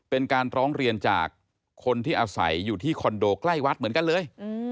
เป็นการร้องเรียนจากคนที่อาศัยอยู่ที่คอนโดใกล้วัดเหมือนกันเลย